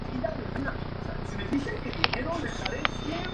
El incidente desembocó en su renuncia y, al mismo tiempo, dejó de hacer clases.